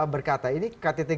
berkata ini kttg dua puluh